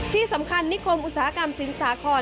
ที่สำคัญนิคมอุตสาหกรรมสินสาคร